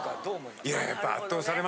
いややっぱ。